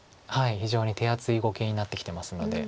非常に手厚い碁形になってきてますので。